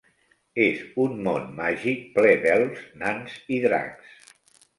És un món màgic ple d'elfs, nans i dracs.